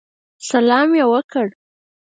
سلام یې وکړ.